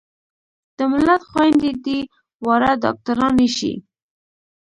د ملت خويندې دې واړه ډاکترانې شي